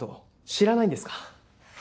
知らないんですか？